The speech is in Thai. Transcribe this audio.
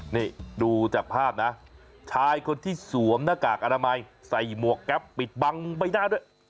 นี่ดูจากภาพนะชายคนที่สวมหน้ากากอนามัยใส่หมวกแก๊ปปิดบังใบหน้าด้วย